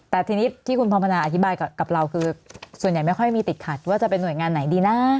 แต่ทีนี้ที่คุณพรมนาอธิบายกับเราคือส่วนใหญ่ไม่ค่อยมีติดขัดว่าจะเป็นหน่วยงานไหนดีนะ